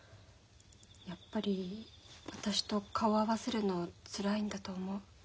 やっぱり私と顔合わせるのつらいんだと思う。